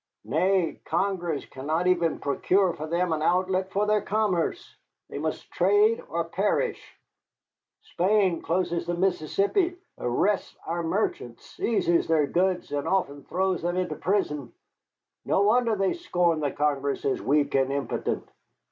Nay, Congress cannot even procure for them an outlet for their commerce. They must trade or perish. Spain closes the Mississippi, arrests our merchants, seizes their goods, and often throws them into prison. No wonder they scorn the Congress as weak and impotent."